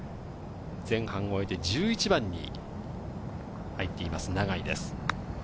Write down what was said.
前半を終えて、１１番に入っています、永井です。